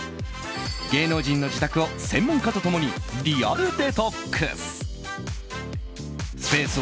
芸能人の自宅を専門家と共にリアルデトックス。